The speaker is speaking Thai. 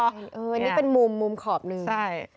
อันนี้เป็นมุมมุมขอบหนึ่งใช่